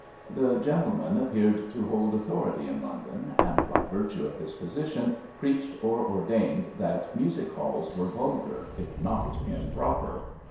The gentleman appeared to hold authority in London, and by virtue of his position preached or ordained that music halls were vulgar, if not improper.